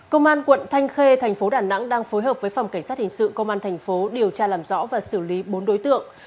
công an quận thanh khê thành phố đà nẵng đang phối hợp với phòng cảnh sát hình sự công an thành phố điều tra làm rõ và xử lý bốn đối tượng